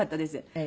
ええ。